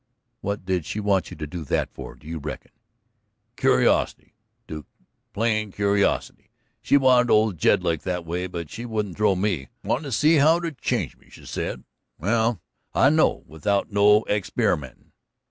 "What did she want you to do that for, do you reckon?" "Curiosity, Duke, plain curiosity. She worked old Jedlick that way, but she couldn't throw me. Wanted to see how it'd change me, she said. Well, I know, without no experimentin'."